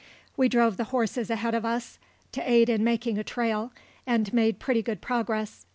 We drove the horses ahead of us to aid in making a trail, and made pretty good progress.